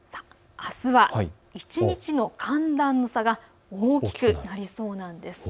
あすは一日の寒暖差が大きくなりそうなんです。